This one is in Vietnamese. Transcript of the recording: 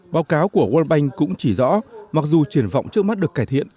báo cáo của world bank cũng chỉ rõ mặc dù triển vọng trước mắt được cải thiện